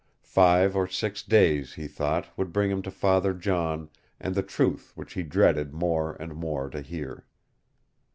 Five or six days, he thought, would bring him to Father John and the truth which he dreaded more and more to hear.